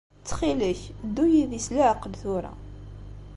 Ttxil-k, ddu yid-i s leɛqel tura.